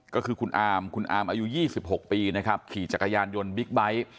ก็คือคุณอามคุณอามอายุ๒๖ปีนะครับขี่จักรยานยนต์บิ๊กไบท์